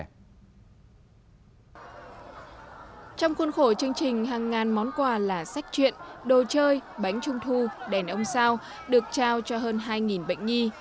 trong khuôn khổ chương trình hàng ngàn món quà là sách chuyện đồ chơi bánh trung thu đèn ông sao được trao cho hơn hai bệnh nhi